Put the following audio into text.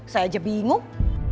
saya aja bingung